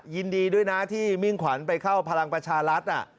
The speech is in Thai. ยินดีด้วยนะที่มิ่งขวัญไปเข้าพลังประชารัฐ